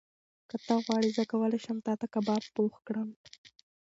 که ته غواړې، زه کولی شم تاته کباب پخ کړم.